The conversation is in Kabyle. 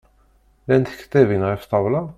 Llant tektabin ɣef ṭṭabla?